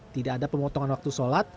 tidak ada pemotongan waktu sholat